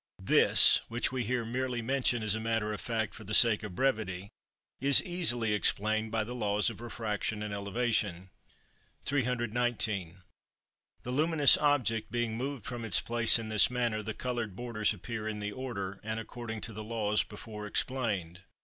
This, which we here merely mention as a matter of fact for the sake of brevity, is easily explained by the laws of refraction and elevation. 319. The luminous object being moved from its place in this manner, the coloured borders appear in the order, and according to the laws before explained.